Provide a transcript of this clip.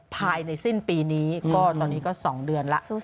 ภายในสิ้นปีนี้ก็ตอนนี้ก็๒เดือนแล้ว